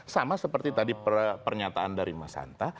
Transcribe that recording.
sama seperti tadi pernyataan dari mas hanta